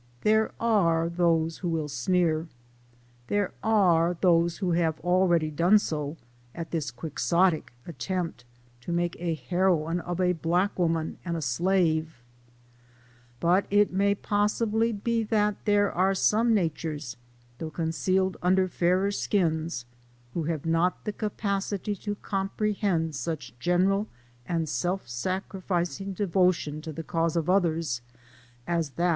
There are those who will sneer, there are those who have already done so, at this quixotic attempt to make a heroine of a black woman, and a slave ; but it may possibly be that there are some natures, 4 PREFACE. though concealed under fairer skins, who have not the capacity to comprehend such general and self sacrificing devotion to the cause of others as that